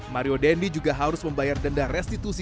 mario dendi juga harus membayar denda restitusi